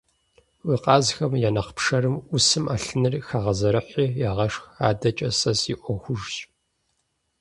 Уи къазхэм я нэхъ пшэрым Ӏусым Ӏэлъыныр хэгъэзэрыхьи, егъэшх, адэкӀэ сэ си Ӏуэхужщ.